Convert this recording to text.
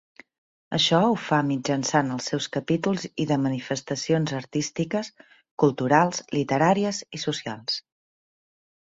Això ho fa mitjançant els seus capítols i de manifestacions artístiques, culturals, literàries i socials.